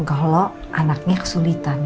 kalo anaknya kesulitan